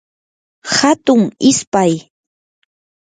hatun ispay